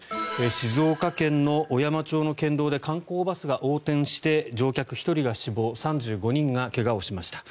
静岡県の小山町の県道で観光バスが横転して乗客１人が死亡３５人が怪我をしました。